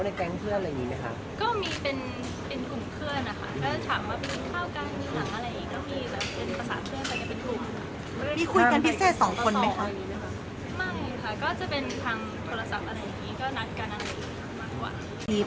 ไม่ค่ะมันก็จะเป็นทางโทรศัพท์อะไรอย่างนี้ก็นับกันอะไรอื่น